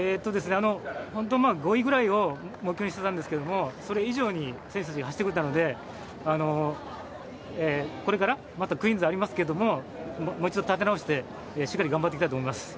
ホント５位ぐらいを目標にしてたんですけどそれ以上に選手たちが走ってくれたので、これから、またクイーンズありますけど、もう一度、立て直してしっかり頑張っていきたいと思います。